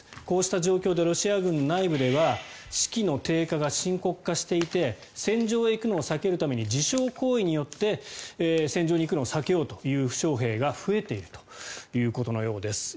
こうした状況でロシア軍の内部では士気の低下が深刻化していて戦場へ行くのを避けるために自傷行為によって戦場に行くのを避けようという負傷兵が増えているということのようです。